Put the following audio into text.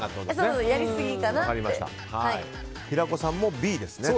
平子さんもＢですね。